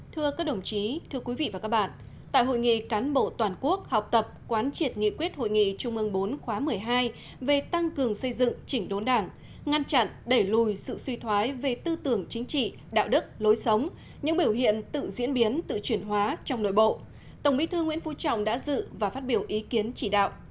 thưa các đồng chí thưa quý vị và các bạn tại hội nghị cán bộ toàn quốc học tập quán triệt nghị quyết hội nghị trung ương bốn khóa một mươi hai về tăng cường xây dựng chỉnh đốn đảng ngăn chặn đẩy lùi sự suy thoái về tư tưởng chính trị đạo đức lối sống những biểu hiện tự diễn biến tự chuyển hóa trong nội bộ tổng bí thư nguyễn phú trọng đã dự và phát biểu ý kiến chỉ đạo